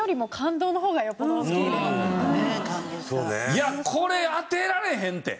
いやこれ当てられへんって。